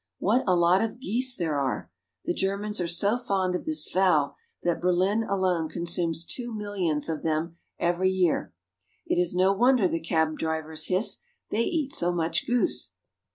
What a lot of geese there are ! The Germans are so fond of this fowl that Berlin alone consumes two millions of them every year. It is no wonder the cab drivers hiss, they eat so much goose